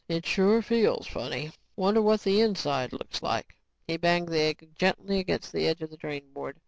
"It sure feels funny. Wonder what the inside looks like?" He banged the egg gently against the edge of the drain board.